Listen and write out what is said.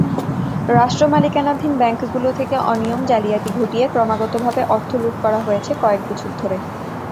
রাষ্ট্রমালিকানাধীন ব্যাংকগুলো থেকে অনিয়ম-জালিয়াতি ঘটিয়ে ক্রমাগতভাবে অর্থ লুট করা হয়েছে কয়েক বছর ধরে।